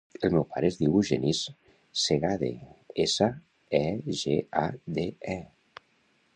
El meu pare es diu Genís Segade: essa, e, ge, a, de, e.